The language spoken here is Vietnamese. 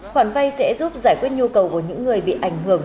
khoản vay sẽ giúp giải quyết nhu cầu của những người bị ảnh hưởng